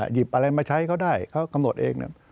หยิบอะไรมาใช้เขาได้เขากำหนดเอง